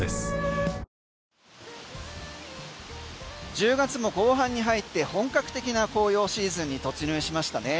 １０月も後半に入って本格的な紅葉シーズンに突入しましたね。